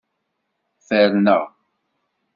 Ferneɣ.